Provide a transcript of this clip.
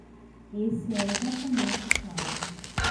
Esse é exatamente o caso.